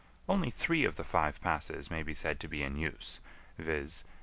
Only three of the five passes may be said to be in use, viz.